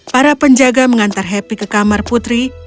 para penjaga mengantar happy ke kamar putri